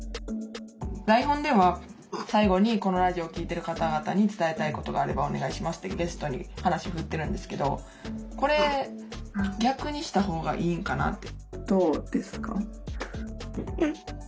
台本では最後にこのラジオを聴いてる方々に伝えたいことがあればお願いしますってゲストに話振ってるんですけどこれ逆にした方がいいんかなって。